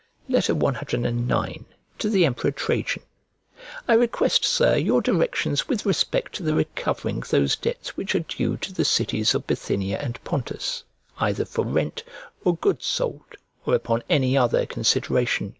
CIX To THE EMPEROR TRAJAN I REQUEST, Sir, your directions with respect to the recovering those debts which are due to the cities of Bithynia and Pontus, either for rent, or goods sold, or upon any other consideration.